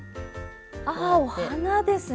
あお花ですね